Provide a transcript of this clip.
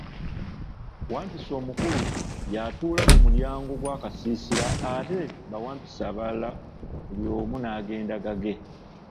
Wampisi omukulu yatuula mu mulyango gw'akasiisira ate bawampisi abalala buli omu n'agenda gage.